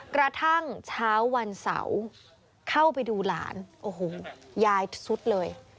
กระทั่งเช้าวันเสาร์เข้าไปดูหลานโอ้โหยายสุดเลย